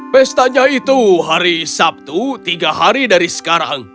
pestanya itu hari sabtu tiga hari dari sekarang